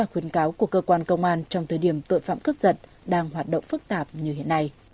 khuyến cáo của cơ quan công an trong thời điểm tội phạm cướp giật đang hoạt động phức tạp như hiện nay